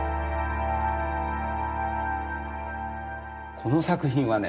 この作品はね